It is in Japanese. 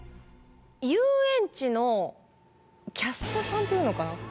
遊園地のキャストさんっていうのかな